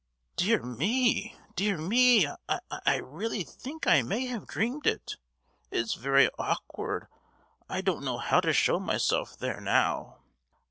"Dear me! dear me! I—I really think I may have dreamed it; it's very awkward. I don't know how to show myself there, now.